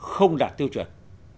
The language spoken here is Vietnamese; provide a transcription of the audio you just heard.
không đạt tiêu chuẩn